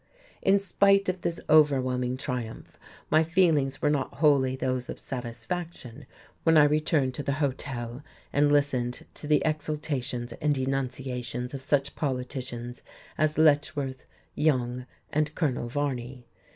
In spite of this overwhelming triumph my feelings were not wholly those of satisfaction when I returned to the hotel and listened to the exultations and denunciations of such politicians as Letchworth, Young, and Colonel Varney.